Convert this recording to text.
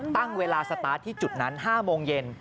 ตั้งเวลาสตาร์ทที่จุดนั้น๕โมงเย็น